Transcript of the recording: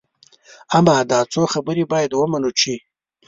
اما دا څو خبرې باید ومنو چې.